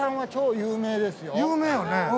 有名よね。